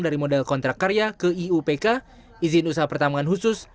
dari model kontrak karya ke iupk izin usaha pertambangan khusus